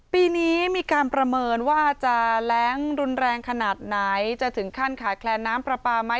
ปีนี้มีการประเมินว่าจะแรงรุนแรงขนาดไหนจะถึงขั้นขาดแคลนน้ำปลาปลาไหม